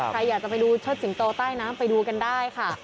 ใครอยากจะไปดูเชิดสิงโตใต้น้ำไปดูกันได้ค่ะ